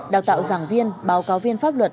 đào tạo giảng viên báo cáo viên pháp luật